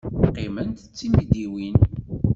Qqiment d timidiwin.